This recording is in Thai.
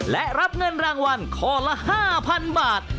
และรับเงินรางวัลข้อละ๕๐๐๐บาท